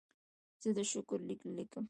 زه د شکر لیک لیکم.